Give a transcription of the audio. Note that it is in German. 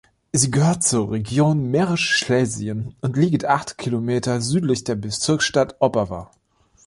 Sie gehört zur Region Mährisch-Schlesien und liegt acht Kilometer südlich der Bezirksstadt Opava.